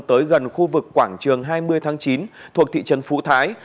tới gần khu vực quảng trường hai mươi tháng chín thuộc thị trấn phú thái